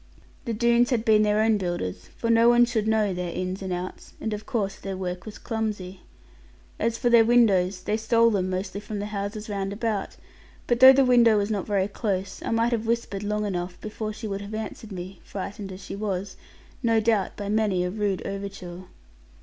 The Doones had been their own builders, for no one should know their ins and outs; and of course their work was clumsy. As for their windows, they stole them mostly from the houses round about. But though the window was not very close, I might have whispered long enough, before she would have answered me; frightened as she was, no doubt by many a rude overture.